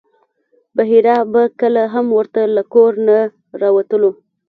بحیرا به کله هم ورته له کوره نه راوتلو.